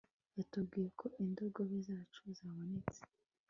yatubwiye ko indogobe zacu zabonetse